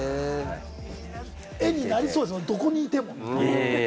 絵になりそうですね、どこにいても。